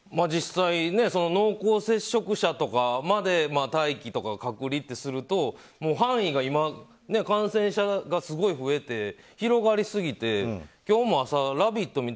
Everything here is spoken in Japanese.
実際、濃厚接触者とかまで待機とか隔離とすると範囲が今、感染者がすごい増えて広がりすぎて、今日も朝「ラヴィット！」